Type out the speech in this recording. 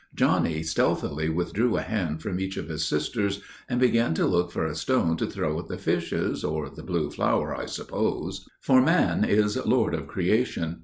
Johnny stealthily withdrew a hand from each of his sisters, and began to look for a stone to throw at the fishes or the blue flower, I suppose; for man is lord of Creation.